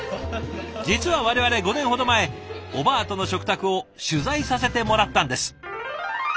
実は我々５年ほど前おばあとの食卓を取材させてもらったんです。